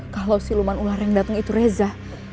kalau siluman ular yang datang itu reza